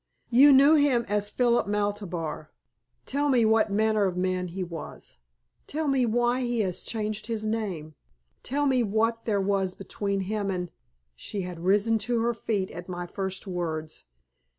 You knew him as Philip Maltabar. Tell me what manner of man he was. Tell me why he has changed his name. Tell me what there was between him and " She had risen to her feet at my first words.